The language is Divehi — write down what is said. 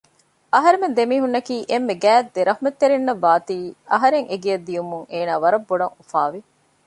އަހަރެމެން ދެމީހުންނަކީ އެންމެ ގާތް ދެ ރަޙުމަތްތެރިންނަށް ވާތީ އަހަރެން އެގެއަށް ދިޔުމުން އޭނާ ވަރަށް ބޮޑަށް އުފާވި